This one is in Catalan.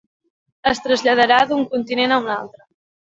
Es traslladarà d'un continent a un altre.